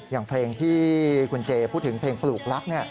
อย่างเพลงที่คุณเจพูดถึงเพลงปลูกลักษณ์